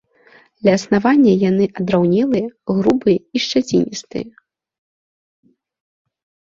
Ля аснавання яны адраўнелыя, грубыя і шчаціністыя.